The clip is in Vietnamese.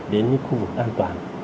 đến những khu vực an toàn